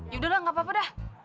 ya udah lah gak apa apa dah